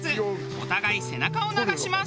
お互い背中を流します。